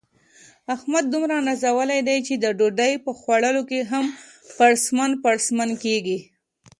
احمد دومره نازولی دی، چې د ډوډۍ په خوړلو هم پړسپن پړسپن کېږي.